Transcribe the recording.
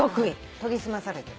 研ぎ澄まされてる。